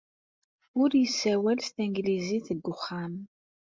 Ur yessawal s tanglizit deg wexxam.